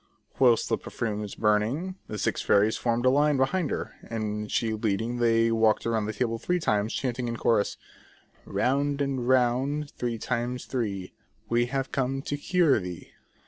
Whilst the perfume was burning, the six fairies formed in line behind her, and she leading, they walked round the table three times, chanting in chorus : ''''Round and round three times three, We have come to cure thee."